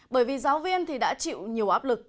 bởi vì giáo viên thì đã chịu nhiều áp lực